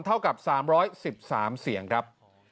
เท่ากับ๓๑๓เสียงครับ